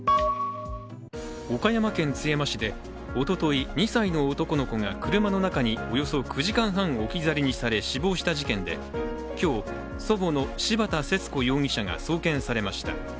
岡山県津山市で、おととい２歳の男の子が車の中におよそ９時間半置き去りにされ死亡した事件で、今日、祖母の柴田節子容疑者が送検されました。